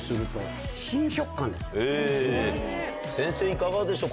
先生いかがでしょう？